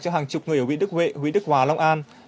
cho hàng chục người ở huyện đức huệ huyện đức hòa long an